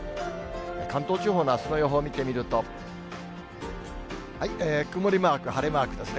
関東地方のあすの予報を見てみると、曇りマーク、晴れマークですね。